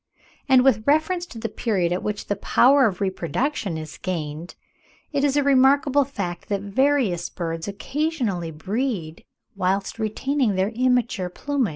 And, with reference to the period at which the power of reproduction is gained, it is a remarkable fact that various birds occasionally breed whilst retaining their immature plumage.